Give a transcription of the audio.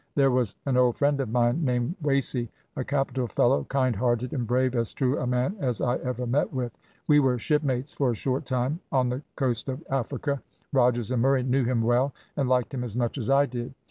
There was an old friend of mine named Wasey, a capital fellow, kind hearted and brave, as true a man as I ever met with. We were shipmates for a short time on the coat of Africa; Rogers and Murray knew him well, and liked him as much as I did.